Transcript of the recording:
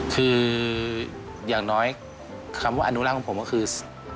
คืออย่างน้อยคำว่าอนุรักษ์ของผมก็คือ